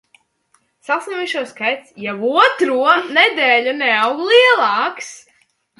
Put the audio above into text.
Saslimušo skaits jau otro nedēļu neaug lielāks.